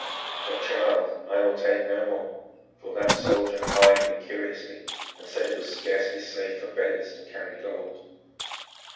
But, child, I will take no more, for that soldier eyed me curiously and said it was scarcely safe for beggars to carry gold."